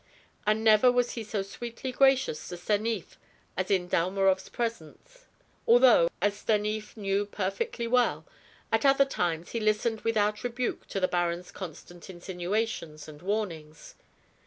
And never was he so sweetly gracious to Stanief as in Dalmorov's presence; although, as Stanief knew perfectly well, at other times he listened without rebuke to the baron's constant insinuations and warnings.